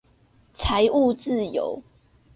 財務自由